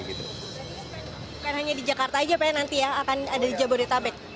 bukan hanya di jakarta saja tapi nanti ya akan ada di jabodetabek